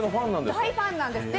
大ファンなんです。